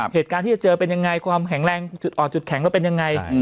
เหตุการณ์ที่จะเจอเป็นยังไงความแข็งแรงจุดอ่อนจุดแข็งเราเป็นยังไง